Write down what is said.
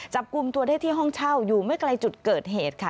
จับกลุ่มตัวได้ที่ห้องเช่าอยู่ไม่ไกลจุดเกิดเหตุค่ะ